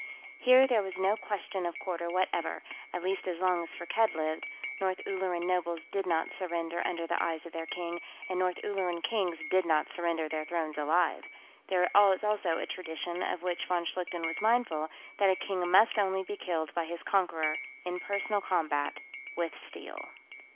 Here there was no question of quarter whatever, at least as long as Firkked lived; North Ulleran nobles did not surrender under the eyes of their king, and North Ulleran kings did not surrender their thrones alive. There was also a tradition, of which von Schlichten was mindful, that a king must only be killed by his conqueror, in personal combat, with steel.